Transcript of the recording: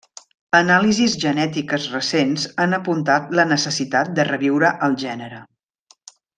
Anàlisis genètiques recents han apuntat la necessitat de reviure el gènere.